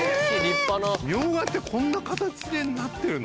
ミョウガってこんな形でなってるの？